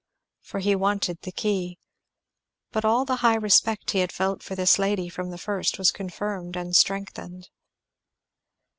For he wanted the key. But all the high respect he had felt for this lady from the first was confirmed and strengthened.